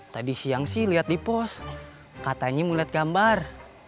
tadi siang sih lihat di pos katanya mau lihat gambar